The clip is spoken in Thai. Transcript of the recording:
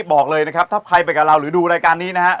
บอกเลยนะครับถ้าใครไปกับเราหรือดูรายการนี้นะฮะ